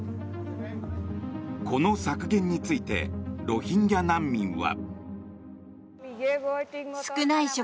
この削減についてロヒンギャ難民は。